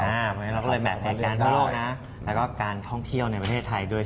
แล้วเราก็เลยแบบแผนการพันธุ์โลกและการท่องเที่ยวในประเทศไทยด้วย